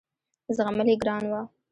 زغمل یې ګران وه.